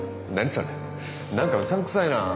それなんかうさんくさいなー